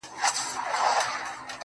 له دې جهانه بېل وي,